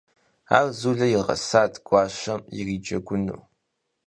Ar Zule yiğesat guaşem yiriceguu.